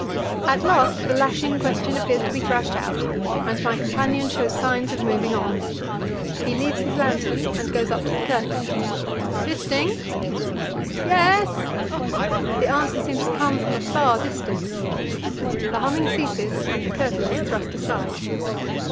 At last the lashing question appears to be thrashed out, and my companion shows signs of moving on. He leaves his lantern and goes up to the curtain. "Wisting!" "Yes!" The answer seems to come from a far distance. The humming ceases, and the curtain is thrust aside.